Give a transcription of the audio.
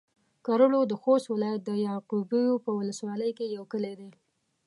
کرړو د خوست ولايت د يعقوبيو په ولسوالۍ کې يو کلی دی